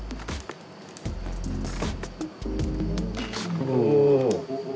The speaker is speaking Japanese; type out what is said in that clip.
お。